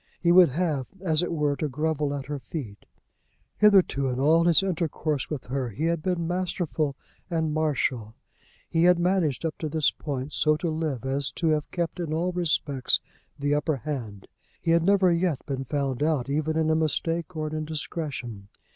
He would have, as it were, to grovel at her feet. Hitherto, in all his intercourse with her, he had been masterful and marital. He had managed up to this point so to live as to have kept in all respects the upper hand. He had never yet been found out even in a mistake or an indiscretion.